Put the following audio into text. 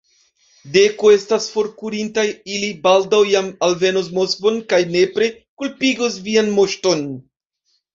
Deko estas forkurintaj, ili baldaŭ jam alvenos Moskvon kaj nepre kulpigos vian moŝton!